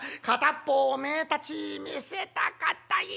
片っ方おめえたちに見せたかった。